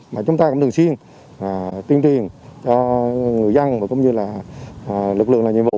mà chúng ta cũng thường xuyên tuyên truyền cho người dân và cũng như là lực lượng làm nhiệm vụ